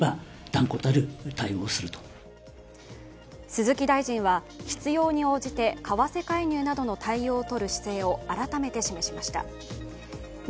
鈴木大臣は必要に応じて為替介入などの対応をとる姿勢を改めて示しました。